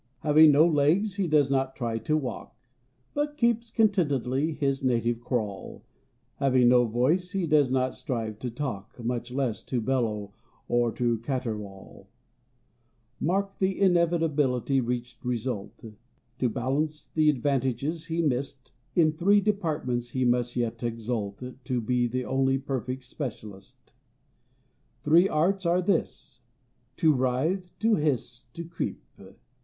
= Having no legs he does not try to walk, `But keeps contentedly his native crawl; Having no voice he does not strive to talk, `Much less to bellow or to caterwaul.= Mark the inevitably reached result: `To balance the advantages he missed, In three departments he may yet exult `To be the only perfect specialist.= Three arts are his: to writhe, to hiss, to creep.